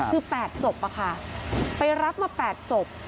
คือ๘ศพไปรับมา๘ศพ